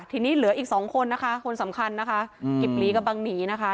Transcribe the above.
ทีนี้เหลืออีกสองคนนะคะคนสำคัญนะคะกิบหลีกับบังหนีนะคะ